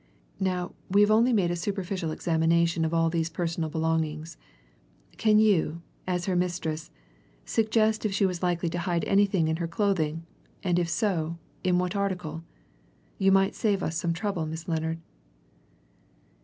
Now we have only made a superficial examination of all these personal belongings can you, as her mistress, suggest if she was likely to hide anything in her clothing, and if so, in what article? You might save us some trouble, Miss Lennard."